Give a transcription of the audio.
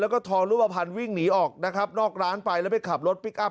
แล้วก็ทองรูปภัณฑ์วิ่งหนีออกนะครับนอกร้านไปแล้วไปขับรถพลิกอัพ